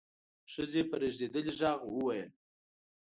ښځې په رېږدېدلي غږ وويل: